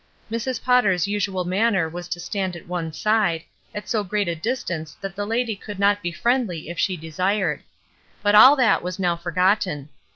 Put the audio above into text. Mrs. Potter's usual man ner was to stand at one side, at so great a dis tance that the lady could not be friendly if she desired; but all that was now forgotten.